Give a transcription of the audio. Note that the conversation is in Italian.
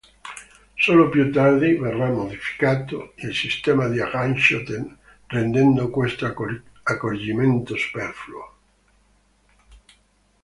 Solo più tardi verrà modificato il sistema di aggancio, rendendo questo accorgimento superfluo.